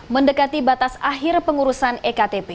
mendekati batas akhir pengurusan ektp